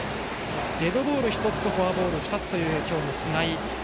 デッドボール１つとフォアボール２つという今日の菅井。